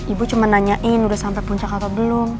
ibu cuma nanyain udah sampai puncak atau belum